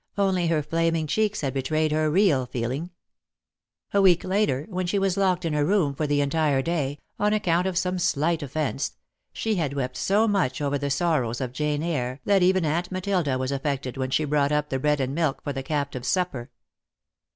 Only her flaming cheeks had betrayed her real feeling. [Sidenote: Forbidden Reading] A week later, when she was locked in her room for the entire day, on account of some slight offence, she had wept so much over the sorrows of Jane Eyre that even Aunt Matilda was affected when she brought up the bread and milk for the captive's supper.